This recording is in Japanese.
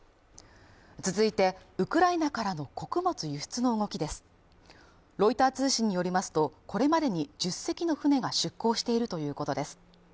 続いてウクライナからの穀物輸出の動きですロイター通信によりますとこれまでに１０隻の船が出港しているということです